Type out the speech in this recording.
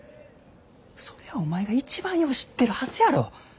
それはお前が一番よう知ってるはずやろ。